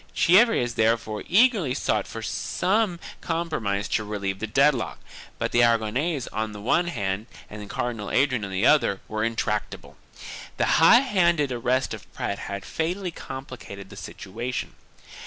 Chievres therefore eagerly sought for some com promise to relieve the dead lock, but the Aragonese on the one hand and Cardinal Adrian on the other were intractable. The high handed arrest of Prat had fatally complicated the situation.